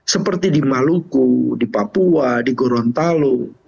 seperti di maluku di papua di gorontalo